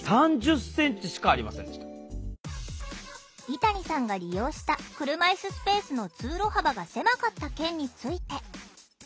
井谷さんが利用した車いすスペースの通路幅が狭かった件について。